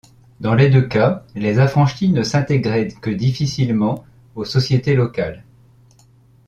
Dans les deux cas, les affranchis ne s’intégraient que difficilement aux sociétés locales.